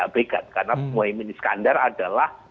berikat karena muahimin iskandar adalah